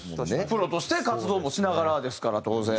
プロとして活動もしながらですから当然。